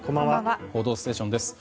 「報道ステーション」です。